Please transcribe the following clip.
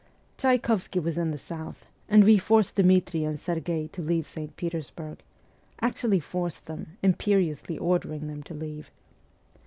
Tchay kovsky was in the south, and we forced Dmitri and Serghei to leave St. Petersburg actually forced them, imperiously ordering them to leave.